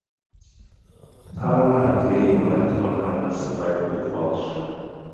Palmer again went on hunger strike with Walsh.